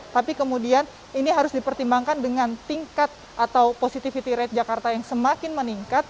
tapi kemudian ini harus dipertimbangkan dengan tingkat atau positivity rate jakarta yang semakin meningkat